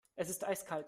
Es ist eiskalt.